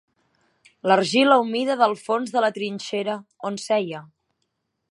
L'argila humida del fons de la trinxera, on seia